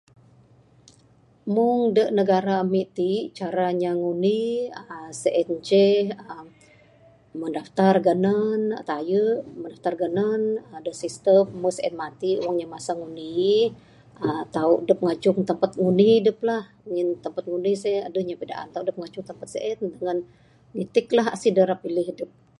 Mung da negara ami ti'k, cara nya ngundi aa.. sien ce, aa.. mendaftar ganan tayu, mendaftar ganan. Adup sistem. Muh sien, matik wang masa ngundi, aa.. tauk dup ngajung tempat ngundi dup lah ngin tempat ngundi sien aduh nya pidaan. Tauk ngajung tempat sien. Ngan ngitik lah asih da ra pilih dup.